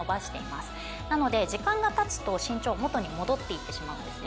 「なので時間が経つと身長元に戻っていってしまうんですね」